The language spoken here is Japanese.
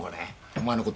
お前のことを。